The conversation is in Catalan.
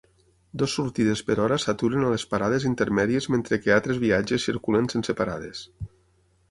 Dues sortides per hora s'aturen a les parades intermèdies mentre que altres viatges circulen sense parades.